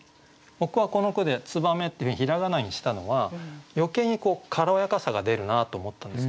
僕はこの句で「つばめ」っていうふうに平仮名にしたのは余計に軽やかさが出るなと思ったんですね。